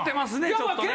ちょっとね。